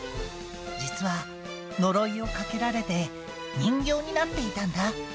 実は呪いをかけられて人形になっていたんだ。